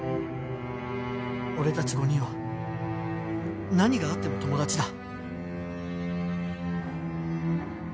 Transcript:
俺たち５人は何があっても友達だ。